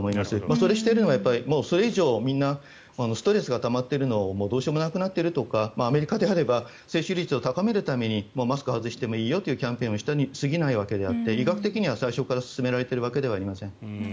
それをしているのはそれ以上、みんなストレスがたまっているのをどうしようもなくなっているとかアメリカであれば接種率を高めるためにマスクを外してもいいよというキャンペーンをしたに過ぎなくて医学的には最初から勧められているわけではありません。